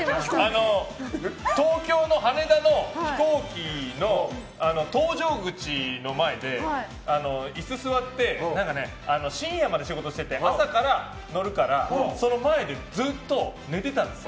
東京の羽田の飛行機の搭乗口の前で椅子に座って深夜まで仕事をしてて朝から乗るからその前でずっと寝てたんですよ。